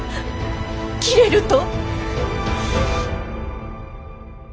斬れると！